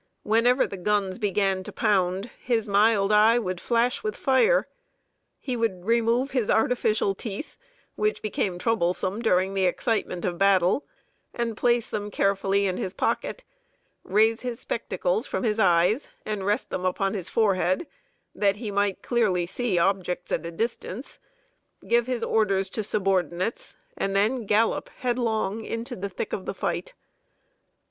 Whenever the guns began to pound, his mild eye would flash with fire. He would remove his artificial teeth, which became troublesome during the excitement of battle, and place them carefully in his pocket; raise his spectacles from his eyes and rest them upon the forehead, that he might see clearly objects at a distance; give his orders to subordinates, and then gallop headlong into the thick of the fight.